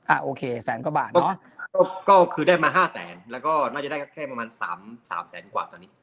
โอเคแสนกว่าบาทเนอะก็คือได้มาห้าแสนแล้วก็น่าจะได้แค่ประมาณสามสามแสนกว่าตอนนี้